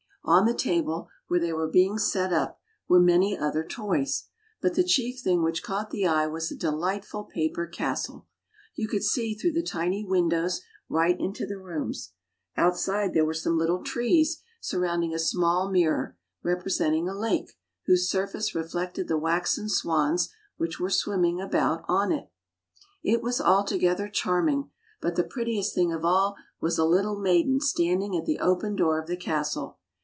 On the table where they were being set up, were many other toys ; but the chief thing which caught the eye was a delightful paper castle. You could see through the tiny windows, right into the rooms. Outside there were some little trees surrounding a small mirror, representing a lake, whose surface reflected the waxen swans which were swimming about on it. It was altogether charming, but the prettiest thing of all was a little maiden standing at the open door of the castle.